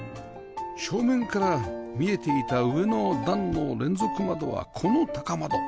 正面から見えていた上の段の連続窓はこの高窓